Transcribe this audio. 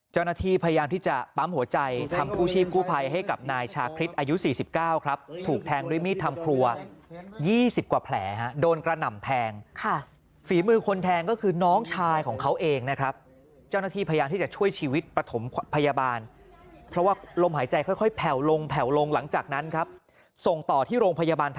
เจ้าหน้าที่พยายามที่จะปั๊มหัวใจทำกู้ชีพกู้ภัยให้กับนายชาคริสอายุ๔๙ครับถูกแทงด้วยมีดทำครัว๒๐กว่าแผลฮะโดนกระหน่ำแทงฝีมือคนแทงก็คือน้องชายของเขาเองนะครับเจ้าหน้าที่พยายามที่จะช่วยชีวิตประถมพยาบาลเพราะว่าลมหายใจค่อยแผ่วลงแผ่วลงหลังจากนั้นครับส่งต่อที่โรงพยาบาลท